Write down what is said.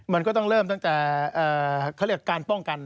มันก็ต้องเริ่มตั้งแต่การป้องกัน